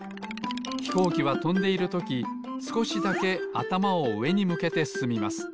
ひこうきはとんでいるときすこしだけあたまをうえにむけてすすみます。